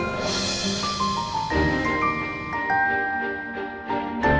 ya kita beres beres dulu